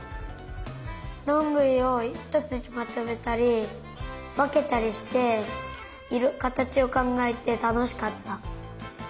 どんぐりをひとつにまとめたりわけたりしてかたちをかんがえてたのしかった。